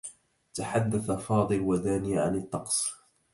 تحدّث فاضل و دانية عن الطقس.